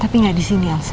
tapi gak disini elsa